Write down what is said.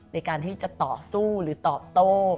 ในการที่จะต่อสู้หรือตอบโต้